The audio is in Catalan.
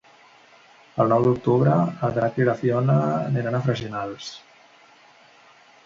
El nou d'octubre en Drac i na Fiona iran a Freginals.